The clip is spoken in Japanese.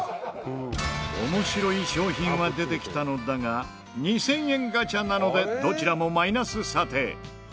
面白い商品は出てきたのだが２０００円ガチャなのでどちらもマイナス査定。